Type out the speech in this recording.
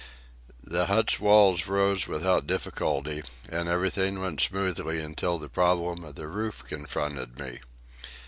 The hut's walls rose without difficulty, and everything went smoothly until the problem of the roof confronted me.